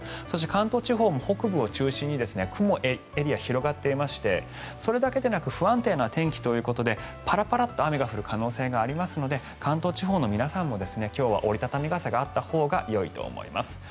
そして、関東地方も北部を中心に雲エリアが広がっていましてそれだけでなく不安定な天気ということでパラパラと雨が降る可能性もありますので関東地方の皆さんも今日は折り畳み傘があったほうがよいと思います。